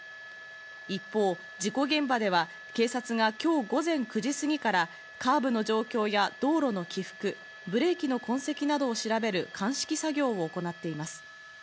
一方、事故現場では警察が今日午前９時過ぎからカーブの状況や道路の起伏、ブレーキの痕跡などを調べる鑑識作業を行っています。